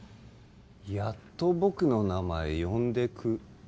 やっと僕の名前呼んでく